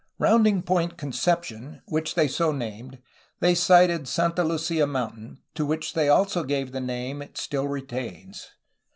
Rounding Point Conception, which they so named, they sighted Santa Lucia Mountain, to which also they gave the name that still remains.